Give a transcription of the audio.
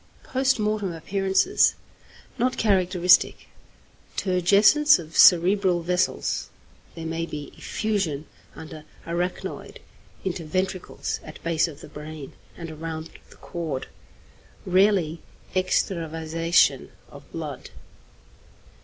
Post Mortem Appearances. Not characteristic. Turgescence of cerebral vessels. There may be effusion under arachnoid, into ventricles, at base of the brain, and around the cord. Rarely extravasation of blood.